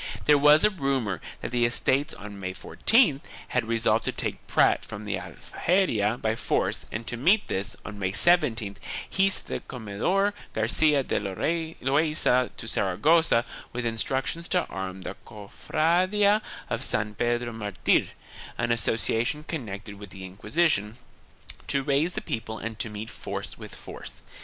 There was a rumor that the Estates on May 14th had resolved to take Prat from the Aljaferia by force and to meet this, on May 17th, he sent the Comendador Garcia de Loaisa to Sara gossa with instructions to arm the Cofradia of San Pedro Martir — an association connected with the Inquisition — to raise the people and to meet force with force.